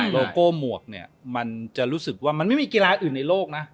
โลโก้หมวกเนี่ยมันจะรู้สึกว่ามันไม่มีกีฬาอื่นในโลกนะ